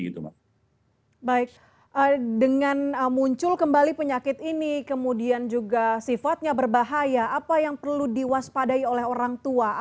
baik dengan muncul kembali penyakit ini kemudian juga sifatnya berbahaya apa yang perlu diwaspadai oleh orang tua